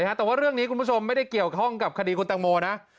แต่ว่าเรื่องนี้คุณผู้ชมไม่ได้เกี่ยวข้องกับคดีคุณตังโมนะ